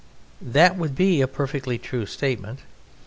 That would be a perfectly true statement.